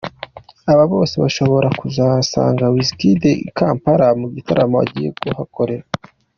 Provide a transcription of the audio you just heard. Aba bose bashobora kuzasanga Wizkid i Kampala mu gitaramo agiye kuhakorera.